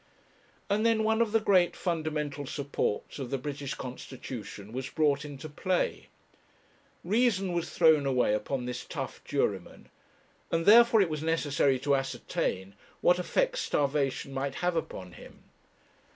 And then one of the great fundamental supports of the British constitution was brought into play. Reason was thrown away upon this tough juryman, and, therefore, it was necessary to ascertain what effect starvation might have upon him.